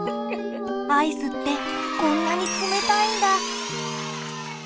アイスってこんなに冷たいんだ！